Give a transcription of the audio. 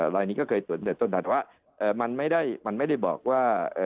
ลายนี้ก็เคยตรวจตั้งแต่ต้นแต่ว่ามันไม่ได้บอกว่า